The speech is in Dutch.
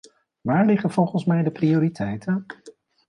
Waar liggen volgens mij de prioriteiten?